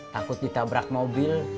takut ditabrak mobil